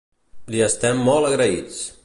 Li estem molt agraïts!